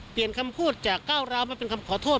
เปลี่ยนคำพูดจากเก้าร้าวมาเป็นคำขอโทษ